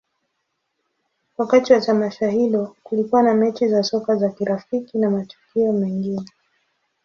Wakati wa tamasha hilo, kulikuwa na mechi za soka za kirafiki na matukio mengine.